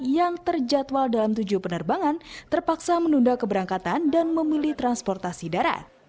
yang terjadwal dalam tujuh penerbangan terpaksa menunda keberangkatan dan memilih transportasi darat